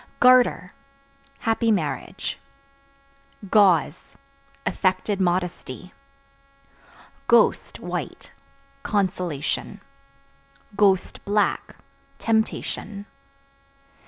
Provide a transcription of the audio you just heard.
Garter Happy marriage. Gauze Affected modesty. Ghost (White) consolation; (black) temptation.